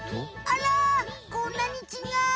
あらこんなにちがう。